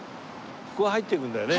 ここを入っていくんだよね？